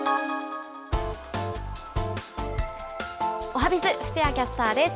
おはＢｉｚ、布施谷キャスターです。